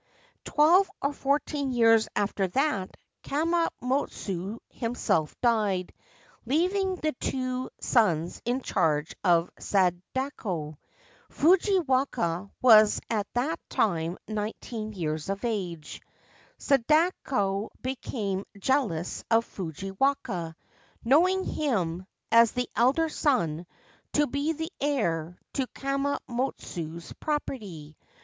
Twelve or fourteen years after that, Kammotsu himself died, leaving the two 331 Ancient Tales and Folklore of Japan sons in charge of Sadako. Fujiwaka was at that time nineteen years of age. Sadako became jealous of Fujiwaka, knowing him, as the elder son, to be the heir to Kammotsu's property.